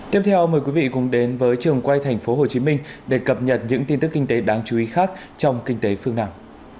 tiếp theo mời quý vị cùng đến với trường quay thành phố hồ chí minh để cập nhật những tin tức kinh tế đáng chú ý khác trong kinh tế phương nam